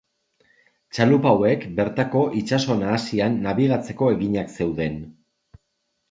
Txalupa hauek bertako itsaso nahasian nabigatzeko eginak zeuden.